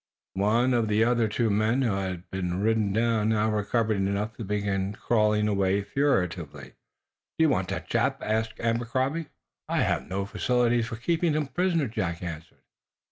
One of the other two men who had been ridden down now recovered enough to begin to crawl away furtively. "Do you want that chap?" asked Abercrombie. "I have no facilities for keeping him a prisoner," Jack answered.